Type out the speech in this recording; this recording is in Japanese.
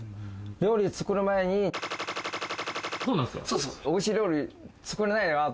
料理作る前においしい料理作れないよ。